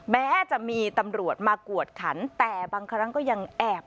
แม้จะมีตำรวจมากวดขันแต่บางครั้งก็ยังแอบ